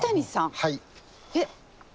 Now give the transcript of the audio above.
はい。えっ？